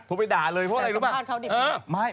โอ๊ยด่าเพราะอะไรรู้ปะไปสัมพันธ์เขาดิ